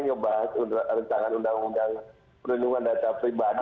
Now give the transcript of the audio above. membahas rencana undang undang perlindungan data pribadi